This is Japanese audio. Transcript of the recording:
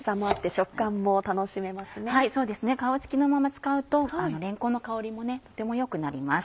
そうですね皮付きのまま使うとれんこんの香りもとても良くなります。